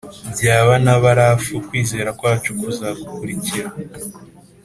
byaba na barafu, kwizera kwacu kuzagukurikira